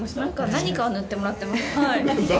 何かは塗ってもらっています。